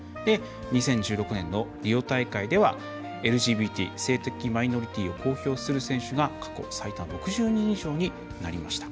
２０１６年のリオ大会ではＬＧＢＴ性的マイノリティーを公表する選手が過去最多６０人以上になりました。